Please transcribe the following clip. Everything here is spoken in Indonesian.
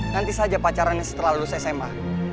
nanti saja pacarannya setelah lulus sma